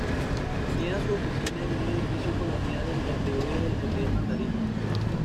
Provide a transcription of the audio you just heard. Tenía su oficina en un edificio colonial en donde hoy es el Hotel Mandarín.